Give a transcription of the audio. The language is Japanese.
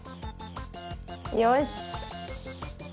よし。